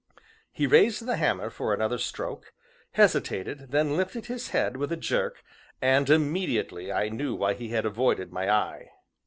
He raised the hammer for another stroke, hesitated, then lifted his head with a jerk, and immediately I knew why he had avoided my eye.